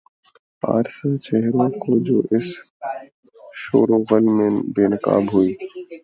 پارسا چہروں کی جو اس شوروغل میں بے نقاب ہوئی۔